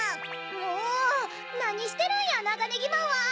もうなにしてるんやナガネギマンは！